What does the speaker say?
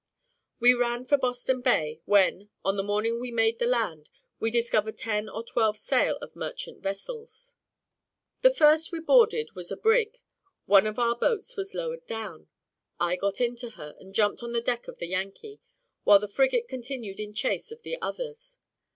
We ran for Boston bay, when, on the morning we made the land, we discovered ten or twelve sail of merchant vessels. The first we boarded was a brig; one of our boats was lowered down; I got into her, and jumped on the deck of the Yankee, while the frigate continued in chase of the others.